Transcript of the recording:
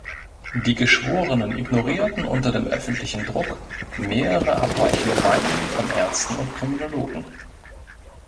Die Geschworenen ignorierten unter dem öffentlichen Druck mehrere abweichende Meinungen von Ärzten und Kriminologen.